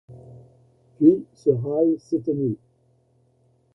Puis ce râle s’éteignit.